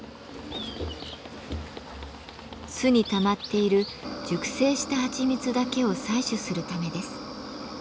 巣にたまっている熟成したはちみつだけを採取するためです。